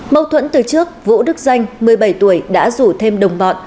mâu thuẫn từ trước vũ đức danh một mươi bảy tuổi đã rủ thêm đồng bọn